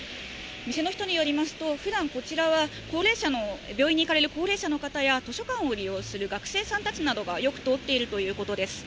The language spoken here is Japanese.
店の人によりますと、ふだん、こちらは高齢者の、病院に行かれる高齢者の方や、図書館を利用する学生さんたちがよく通っているということです。